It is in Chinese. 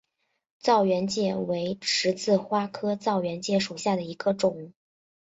燥原荠为十字花科燥原荠属下的一个种。